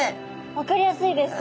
分かりやすいです